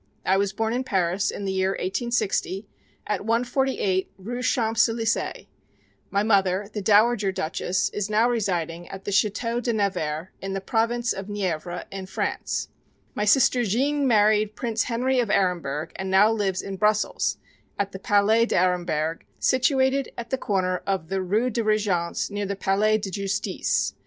I was born in Paris in the year 1860 at 148 Rue Champs Elysée; my mother, the dowager duchess, is now residing at the Château de Nevers in the Province of Nievre in France. My sister Jeanne married Prince Henry of Aremberg, and now lives in Brussells at the Palais d'Aremberg, situated at the corner of the Rue de Regence near the Palais de Justice.